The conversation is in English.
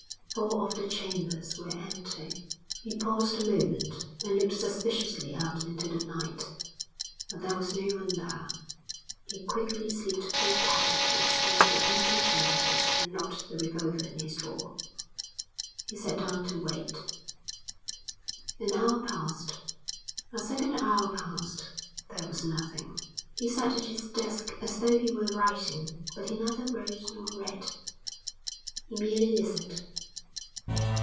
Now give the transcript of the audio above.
Four of the chambers were empty. He paused a moment and looked suspiciously out into the night, but there was no one there. He quickly slipped four cartridges into the empty chambers and locked the revolver in his drawer. He sat down to wait. An hour passed, a second hour passed. There was nothing. He sat at his desk as though he were writing, but he neither wrote nor read. He merely listened.